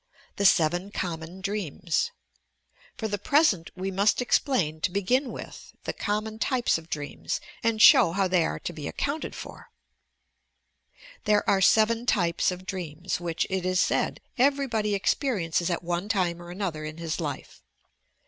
TUB SEVEN COMMON DREAMS For the present we must explain, to begin with, the common types of dreams, and show how tliey are to be accounted for: There are seven types of dreams which, it is said, everybody experiences at one time or another in bis life.